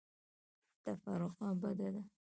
تفرقه بده ده.